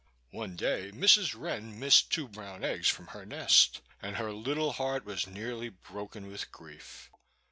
One day Mrs. Wren missed two brown eggs from her nest, and her little heart was nearly broken with grief.